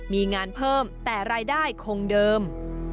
มีงานเพิ่มแต่รายได้คงเดิม